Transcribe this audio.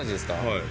はい。